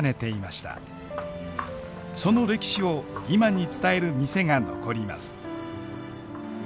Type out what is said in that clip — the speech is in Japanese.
その歴史を今に伝える店が残ります。